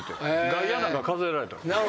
外野なんか数えられた。